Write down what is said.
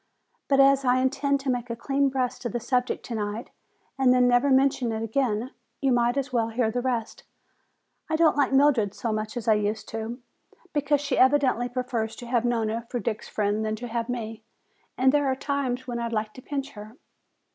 But as I intend to make a clean breast of the subject tonight and then never mention it again, you might as well hear the rest. I don't like Mildred so much as I used to, because she evidently prefers to have Nona for Dick's friend than to have me. And there are times when I'd like to pinch her."